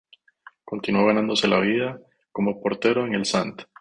Continuó ganándose la vida como portero en el St.